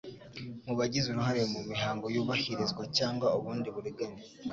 mu bagize uruhare mu mihango yubahirizwa cyangwa ubundi buriganya.